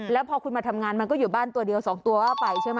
แล้วพอคุณมาทำงานมันก็อยู่บ้านตัวเดียว๒ตัวก็ไปใช่ไหม